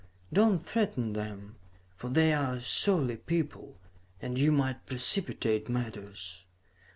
Do not threaten them, for they are a surly people and you might precipitate matters.